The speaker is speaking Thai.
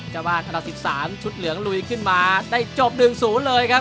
กับอันดับ๑๓ชุดเหลืองลุยขึ้นมาได้จบหนึ่งศูนย์เลยครับ